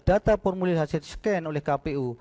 data formulir hasil scan oleh kpu